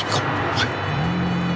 はい。